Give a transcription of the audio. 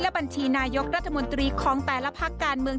บัญชีนายกรัฐมนตรีของแต่ละพักการเมือง